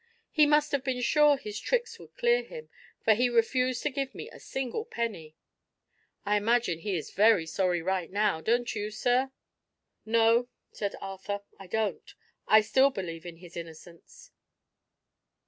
He must have been sure his tricks would clear him, for he refused to give me a single penny. I imagine he is very sorry, right now; don't you, sir?" "No," said Arthur, "I don't. I still believe in his innocence."